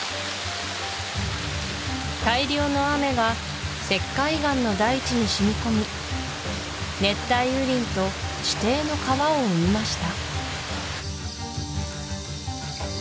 大量の雨が石灰岩の大地にしみ込み熱帯雨林と地底の川を生みました